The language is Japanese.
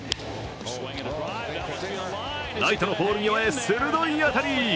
ライトのポール際へ鋭い当たり。